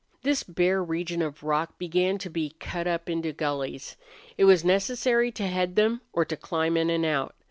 This bare region of rock began to be cut up into gullies. It was necessary to head them or to climb in and out.